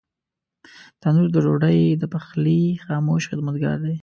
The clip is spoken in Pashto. تنور د ډوډۍ د پخلي خاموش خدمتګار دی